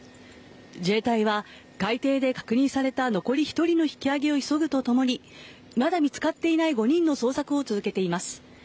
自衛隊は海底で確認された残り１人の引き上げを急ぐとともに、まだ見つかっていない５人の捜索を続けています。